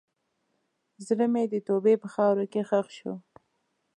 زړه مې د توبې په خاوره کې ښخ شو.